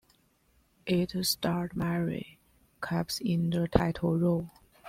It starred Mary Capps in the title role.